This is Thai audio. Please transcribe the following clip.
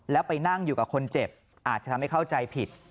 แล้วไปนั่งอยู่กับคนเจ็บอาจจะทำให้เข้าใจผิด